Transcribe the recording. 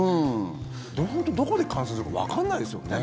本当、どこで感染するかわかんないですよね。